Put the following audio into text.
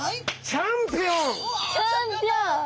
チャンピオン！